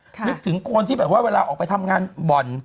นึกถึงคนที่แบบว่าเวลาออกไปทำงานบ่อน